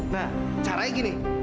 nah caranya gini